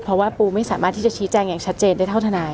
เพราะว่าปูไม่สามารถที่จะชี้แจงอย่างชัดเจนได้เท่าทนาย